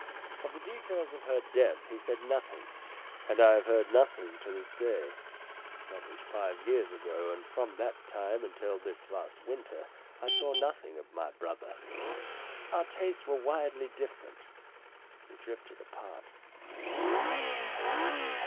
Of the details of her death he said nothing, and I have heard nothing to this day. That was five years ago, and from that time until this last winter I saw nothing of my brother. Our tastes were widely different we drifted apart.